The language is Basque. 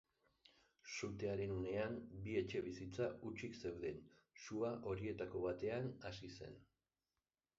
Sutearen unean bi etxebizitza hutsik zeuden, sua horietako batean hasi zen.